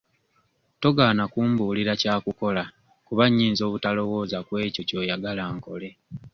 Togaana kumbuulira kyakukola kuba nnyinza obutalowooza kw'ekyo ky'oyagala nkole.